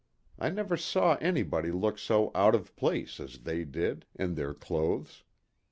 I never saw anybody look so out of place, as they did, in their clothes.